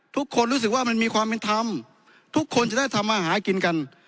ทุกคนรู้สึกว่ามันมีความเป็นธรรมทุกคนจะได้ทำมาหากินกัน